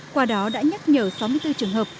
qua đó đã nhắc nhở sáu mươi bốn trường hợp